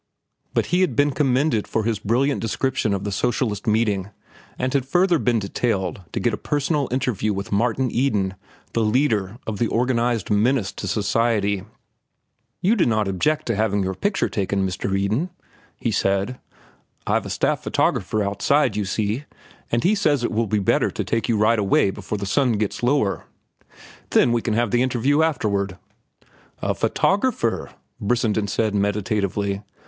But he had been commended for his brilliant description of the socialist meeting and had further been detailed to get a personal interview with Martin Eden, the leader of the organized menace to society. "You do not object to having your picture taken, Mr. Eden?" he said. "I've a staff photographer outside, you see, and he says it will be better to take you right away before the sun gets lower. Then we can have the interview afterward." "A photographer," Brissenden said meditatively.